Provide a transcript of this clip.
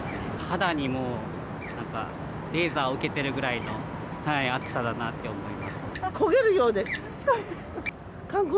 肌にもう、なんか、レーザーを受けてるぐらいの暑さだなって思い焦げるようです。